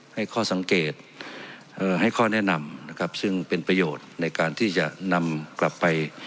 ให้ข้อสังเกตให้ข้อแนะนำนะครับซึ่งเป็นประโยชน์ในการที่จะนำกลับไป